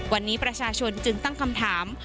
วันนี้ประชาชนจึงตั้งคำถาม